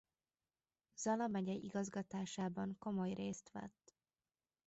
Zala megye igazgatásában komoly részt vett.